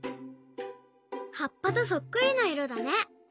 はっぱとそっくりないろだね！